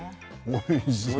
おいしい。